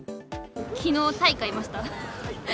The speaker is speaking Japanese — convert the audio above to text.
きのうタイ買いました。